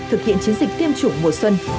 thực hiện chiến dịch tiêm chủng mùa xuân